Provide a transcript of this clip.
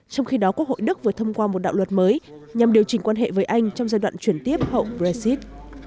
trong khi đó quốc hội đức vừa thông qua một đạo luật mới nhằm điều chỉnh quan hệ với anh trong giai đoạn chuyển tiếp hậu brexit